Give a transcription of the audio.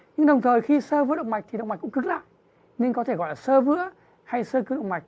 nhưng đồng thời khi sơ vữa động mạch thì động mạch cũng cực lạ nên có thể gọi là sơ vữa hay sơ cứng động mạch